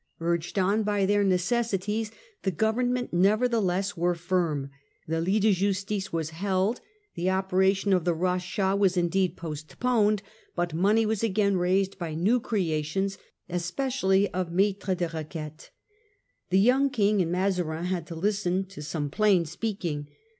Urged on by their necessities the government nevertheless were firm ; the lit de justice was held ; the operation of the ' rachat* was indeed postponed, but money was again raised by new creations, especially of maitres de requites. The „.. young King and Mazarin had to listen to some of the plain speaking.